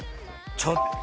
ちょっと！